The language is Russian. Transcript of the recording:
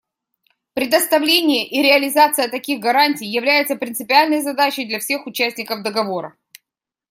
Предоставление и реализация таких гарантий является принципиальной задачей для всех участников Договора.